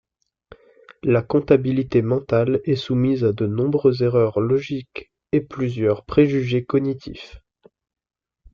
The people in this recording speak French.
La comptabilité mentale est soumise à de nombreuses erreurs logiques et plusieurs préjugés cognitifs.